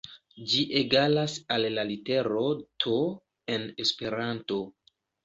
Ĝi egalas al la litero to en Esperanto.